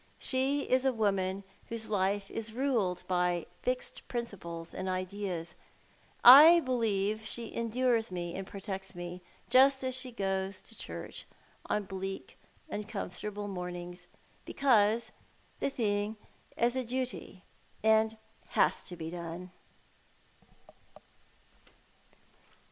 She is a woman whose life is ruled by fixed principles and ideas. I believe she endures me and protects me, just as she goes to church on bleak, uncomfortable mornings, because the thing is a duty and has to be done.